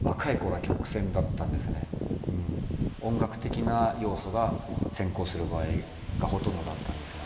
音楽的な要素が先行する場合がほとんどだったんですね